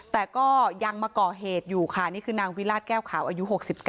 แต่ก็ยังมาก่อเหตุอยู่ค่ะนี่คือนางวิราชแก้วขาวอายุ๖๙